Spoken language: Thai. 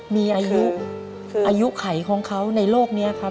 มีอายุอายุไขของเขาในโลกนี้ครับ